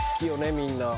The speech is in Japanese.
みんな。